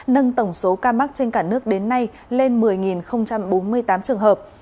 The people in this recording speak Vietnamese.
nâng tổng số ca mắc trên cả nước đến nay lên một mươi bốn mươi tám trường hợp